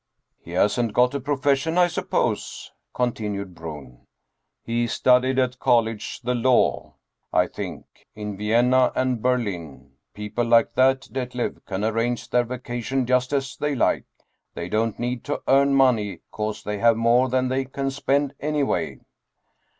" He hasn't got a profession, I suppose ?" continued Bruhn. " He studied at college the law, I think. In Vienna and Berlin. People like that, Detlev, can arrange their vacation just as they like. They don't need to earn money, 'cause they have more than they can spend, anyway."